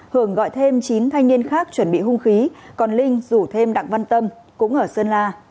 hưởng gọi thêm chín thanh niên khác chuẩn bị hung khí còn linh rủ thêm đặng văn tâm cũng ở sơn la